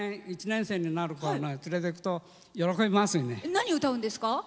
何、歌うんですか？